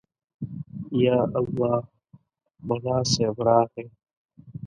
_يالله، ملا صيب راغی.